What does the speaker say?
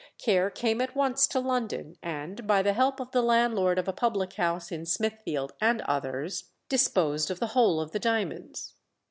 Ker came at once to London, and, by the help of the landlord of a public house in Smithfield and others, disposed of the whole of the diamonds.